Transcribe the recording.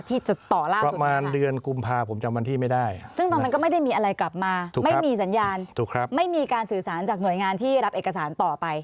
ที่จะต่อล่าสุดนะครับค่ะซึ่งตอนนั้นก็ไม่ได้มีอะไรกลับมาไม่มีสัญญาณไม่มีการสื่อสารจากหน่วยงานที่รับเอกสารต่อไป